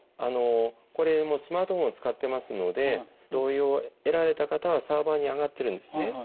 あのこれもうスマートフォン使ってますので同意を得られた方はサーバーにあがってるんですね。